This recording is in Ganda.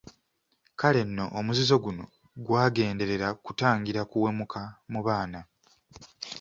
Kale nno omuzizo guno gwagenderera kutangira kuwemuka mu baana.